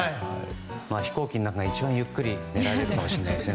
飛行機の中が一番ゆっくり寝られるかもしれませんね。